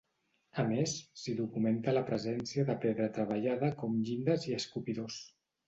A més, s'hi documenta la presència de pedra treballada com llindes i escopidors.